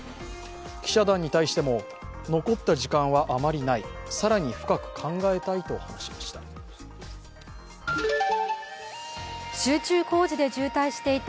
記者団に対しても、残った時間はあまりない、更に深く考えたいと話しました。